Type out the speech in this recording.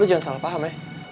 lu jangan salah paham eh